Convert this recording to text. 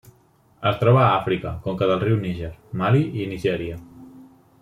Es troba a Àfrica: conca del riu Níger, Mali i Nigèria.